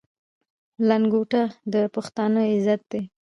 لنګوټه د پښتانه عزت دی.